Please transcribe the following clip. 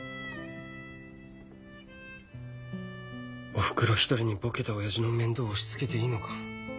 おふくろ一人にぼけた親父の面倒押し付けていいのか？